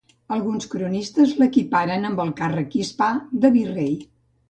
Alguns cronistes l'equiparen amb el càrrec hispà de virrei.